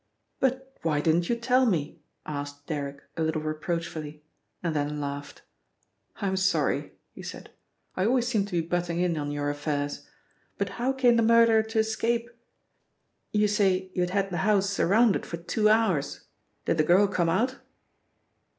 "But why didn't you tell me?" asked Derrick a little reproachfully, and then laughed. "I'm sorry," he said. "I always seem to be butting in on your affairs. But how came the murderer to escape? You say you had had the house surrounded for two hours. Did the girl come out?"